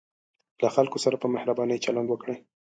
له خلکو سره په مهربانۍ چلند وکړئ.